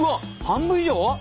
半分以上！？